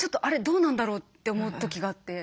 どうなんだろうって思う時があって。